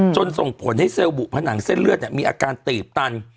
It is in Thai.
ส่งผลให้เซลล์บุผนังเส้นเลือดมีอาการตีบตัน